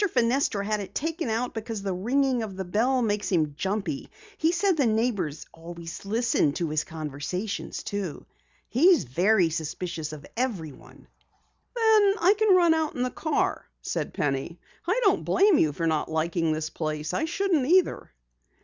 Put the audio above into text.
Fenestra had it taken out because the ringing of the bell made him jumpy. He said the neighbors always listened to his conversations, too. He's very suspicious of everyone." "Then I can run out in the car," said Penny. "I don't blame you for not liking this place. I shouldn't either."